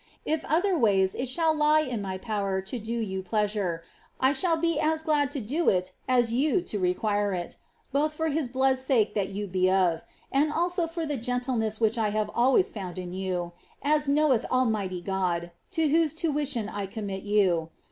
if oiherways it shall lie in my power to do you pleasure, I shall be as flad to do it as you to require it, both for his blood's sake that you be of,* and also for the gentleness which I have always found in you, as knoweth Almighty God, to whose tuition I commit you.